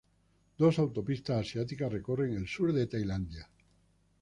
Dos autopistas asiáticas recorren el sur de Tailandia.